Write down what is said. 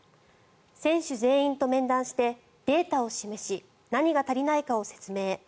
選手全員と面談してデータを示し何が足りないかを説明。